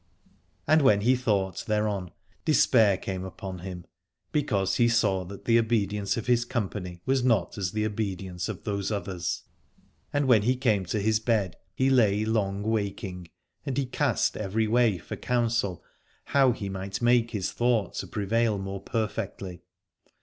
And when he thought thereon, despair came upon him, because he saw that the obedience of his company was not as the obedience of those others. And when he came to his bed he lay long waking, and he cast every way 125 Alad ore for counsel how he might make his thought to prevail more perfectly.